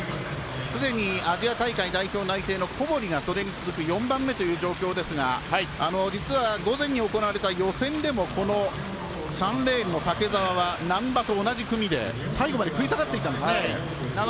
アジア大会代表内定の小堀がそれに続く４番目ですが実は午前に行われた予選でも３レーンの竹澤は難波と同じ組で最後まで食い下がってきたんですね。